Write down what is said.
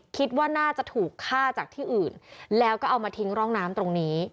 คิดว่าน่าจะถูกฆ่าจากที่อื่นแล้วก็เอามาทิ้งร่องน้ำตรงนี้